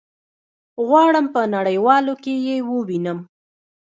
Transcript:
غواړم په نړيوالو کي يي ووينم